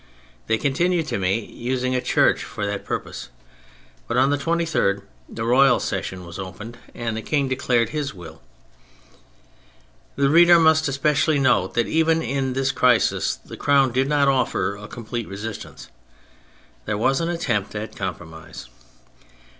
They continued to meet, using a church for that purpose, but on the 23rd the Royal Session was opened and the King declared his will. The reader must especially note that even in this crisis the Crown did not offer a 'com plete resistance. There was an attempt at compromise.